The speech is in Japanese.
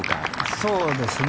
そうですね。